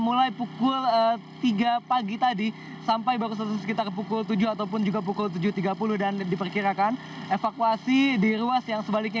mulai pukul tiga pagi tadi sampai baru selesai sekitar pukul tujuh ataupun juga pukul tujuh tiga puluh dan diperkirakan evakuasi di ruas yang sebaliknya